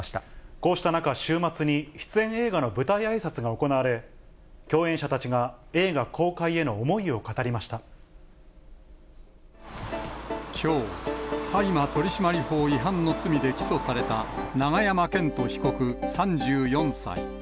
こうした中、週末に出演映画の舞台あいさつが行われ、共演者たちが、映が公開きょう、大麻取締法違反の罪で起訴された永山絢斗被告３４歳。